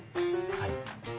はい。